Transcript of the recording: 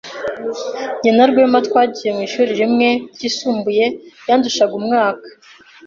Jye na Rwema twagiye mu ishuri rimwe ryisumbuye. Yandushaga umwaka.